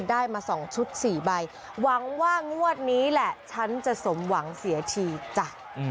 ได้มา๒ชุด๔ใบหวังว่างวดนี้แหละฉันจะสมหวังเสียทีจ้ะ